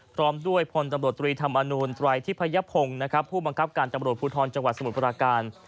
พร้อมด้วยพลตำรวจตรีธรรมอนูลไตรทิพยพงศ์นะครับผู้บังคับการตำรวจภูทรจังหวัดสมุทรปราการ